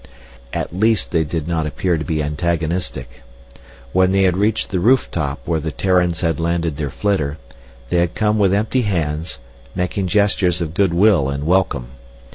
At least they did not appear to be antagonistic. When they had reached the roof top where the Terrans had landed their flitter, they had come with empty hands, making gestures of good will and welcome.